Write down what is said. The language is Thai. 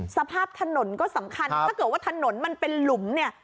สภาพถนนก็สำคัญถ้าเกิดว่าถนนมันเป็นหลุมเนี่ย